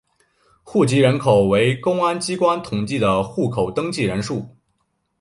户籍人口为公安机关统计的户口登记人数。